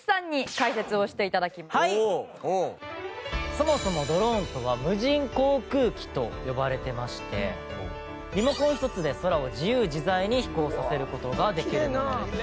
「そもそもドローンとは無人航空機と呼ばれてましてリモコン一つで空を自由自在に飛行させる事ができるものです」